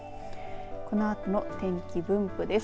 このあとの天気分布です。